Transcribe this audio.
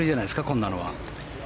こんなのは。